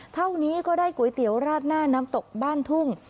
เท่านี้ก็ได้ก๋วยเตี๋ยวราดหน้าน้ำตกบ้านทุ่ง